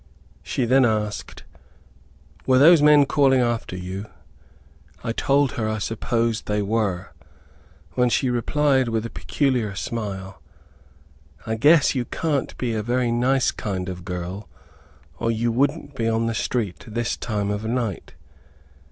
She then asked, "Were those men calling after you?" I told her I supposed they were, when she replied, with a peculiar smile, "I guess you can't be a very nice kind of girl, or you wouldn't be on the street this time of night."